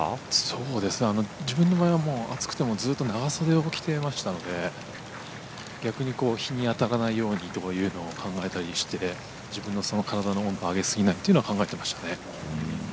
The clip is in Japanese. そうですね自分の場合は暑くてもずっと長袖を着てましたので逆に日に当たらないようにというのを考えたりして自分の体の温度を上げすぎないというのは考えていましたね。